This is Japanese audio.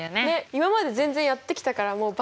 今まで全然やってきたからもうばっちり！